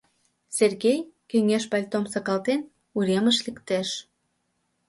Сергей, кеҥеж пальтом сакалтен, уремыш лектеш.